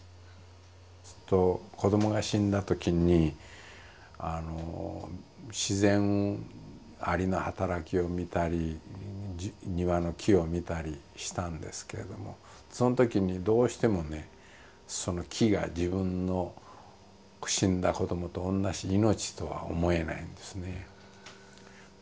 ずっと子どもが死んだときに自然アリの働きを見たり庭の木を見たりしたんですけれどもそのときにどうしてもねその木が自分の死んだ子どもと同じ命とは思えないんですね。